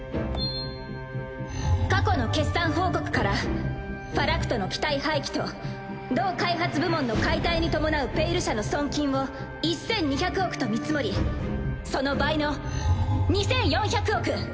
過去の決算報告からファラクトの機体廃棄と同開発部門の解体に伴う「ペイル社」の損金を１２００億と見積もりその倍の２４００億。